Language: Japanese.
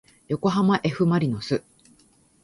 よこはまえふまりのす